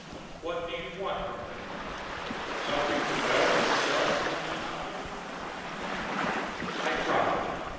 What do you want from them? Something the Veld himself couldn't accomplish?" I try.